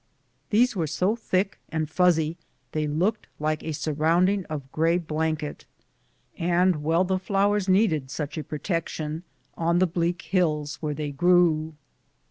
These were so thick and fuzzy they looked like a sur rounding of gray blanket. And well the flowers needed such protection on the bleak hills where they grew.